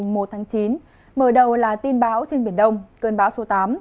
mở đầu là tin báo trên biển đông cơn báo số tám